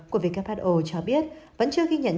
của who cho biết vẫn chưa ghi nhận